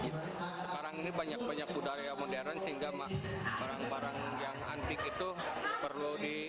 sekarang ini banyak banyak budaya modern sehingga barang barang yang antik itu perlu di